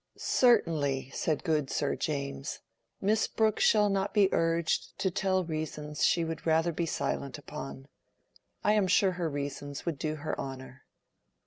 "Certainly," said good Sir James. "Miss Brooke shall not be urged to tell reasons she would rather be silent upon. I am sure her reasons would do her honor."